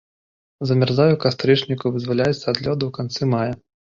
Замярзае ў кастрычніку, вызваляецца ад лёду ў канцы мая.